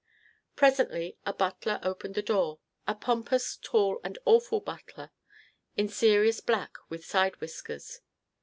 Presently a butler opened the door a pompous, tall and awful butler in serious black and with side whiskers.